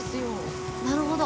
なるほど。